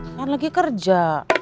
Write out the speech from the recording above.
kan lagi kerja